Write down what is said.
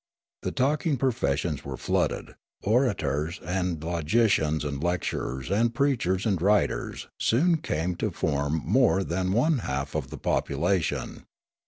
The talking professions were flooded ; orators and logicians and lecturers and preachers and writers soon came to form more than one half of the population.